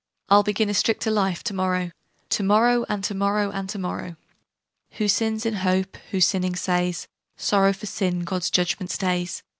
I'll begin a stricter life to morrow." To morrow, and to morrow, and tomorrow! "Who sins in hope, who, sinning, says, 'Sorrow for sin God's judgement stays!'